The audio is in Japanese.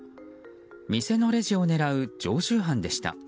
店のレジを狙う常習犯でした。